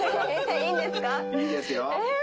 いいですよ。